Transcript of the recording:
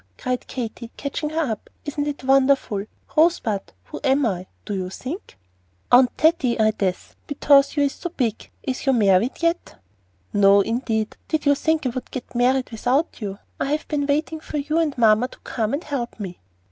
cried Katy, catching her up. "Isn't it wonderful? Rosebud, who am I, do you think?" "My Aunt Taty, I dess, betause you is so big. Is you mawwied yet?" "No, indeed. Did you think I would get 'mawwied' without you? I have been waiting for you and mamma to come and help me."